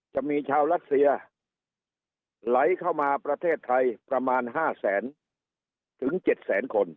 จะมีชาวรัสเซียไหลเข้ามาประเทศไทยประมาณ๕แสนถึง๗แสนคน